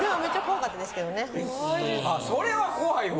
それは怖いわ。